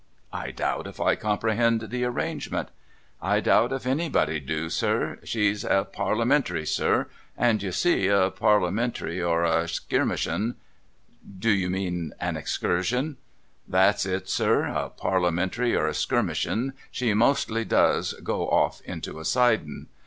' 1 doubt if I comprehend the arrangement.' ' I doubt if anybody do, sir. She's a Parliamentary, sir. And, you see, a Parliamentar)', or a Skirmishun ——'' Do you mean an Excursion ?'' That's it, sir. — A Parliamentary or a Skirmishun, she mostly doos go off into a sidin'.